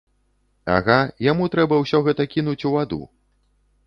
Ага, яму трэба ўсё гэта кінуць у ваду.